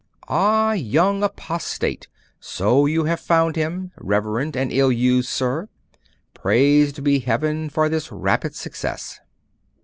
'Ah, young apostate! So you have found him, reverend and ill used sir. Praised be Heaven for this rapid success!